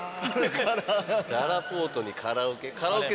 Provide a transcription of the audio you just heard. ららぽーとにカラオケ？